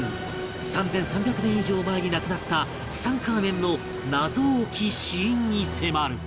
３３００年以上前に亡くなったツタンカーメンの謎多き死因に迫る！